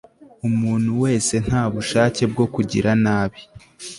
Umuntu wese nta bushake bwo kugira nabi